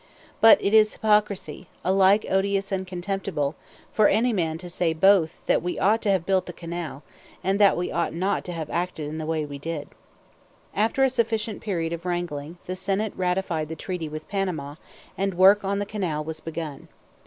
But it is hypocrisy, alike odious and contemptible, for any man to say both that we ought to have built the canal and that we ought not to have acted in the way we did act. After a sufficient period of wrangling, the Senate ratified the treaty with Panama, and work on the canal was begun.